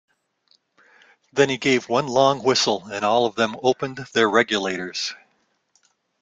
Then he gave one long whistle and all of them opened their regulators.